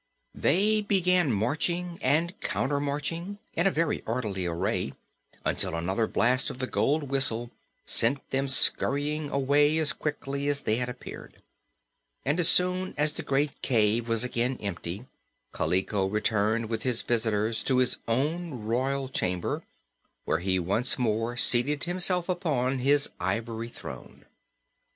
They began marching and countermarching in very orderly array until another blast of the gold whistle sent them scurrying away as quickly as they had appeared. And as soon as the great cave was again empty Kaliko returned with his visitors to his own royal chamber, where he once more seated himself upon his ivory throne.